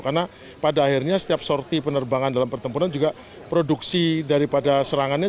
karena pada akhirnya setiap sorti penerbangan dalam pertempuran juga produksi daripada serangannya